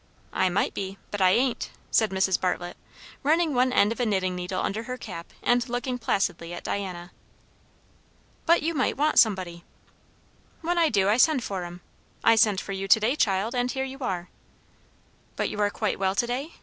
"I might be; but I ain't," said Mrs. Bartlett, running one end of a knitting needle under her cap and looking placidly at Diana. "But you might want somebody." "When I do I send for 'em. I sent for you to day, child; and here you are." "But you are quite well to day?"